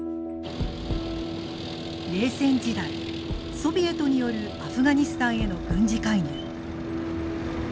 冷戦時代ソビエトによるアフガニスタンへの軍事介入。